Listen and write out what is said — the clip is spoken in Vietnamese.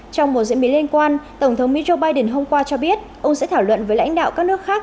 trong một diễn biến liên quan tổng thống mỹ joe biden hôm qua cho biết ông sẽ thảo luận với lãnh đạo các nước khác